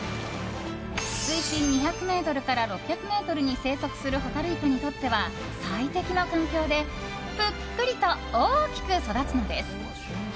水深２００ｍから６００ｍに生息するホタルイカにとっては最適の環境でぷっくりと大きく育つのです。